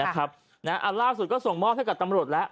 ล่าสุดก็ส่งมอบให้กับตำรวจแล้ว